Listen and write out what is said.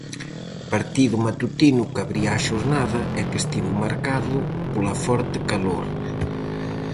Partido matutino que abría a xornada e que estivo marcado pola forte calor.